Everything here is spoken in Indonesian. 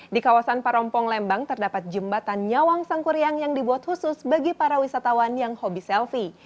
di kawasan parompong lembang terdapat jembatan nyawang sangkuriang yang dibuat khusus bagi para wisatawan yang hobi selfie